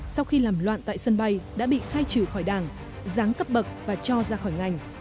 sau khi làm loạn tại sân bay đã bị khai trừ khỏi đảng ráng cấp bậc và cho ra khỏi ngành